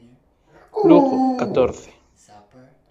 Lugo: catorce.